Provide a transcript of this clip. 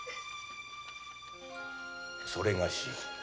それがし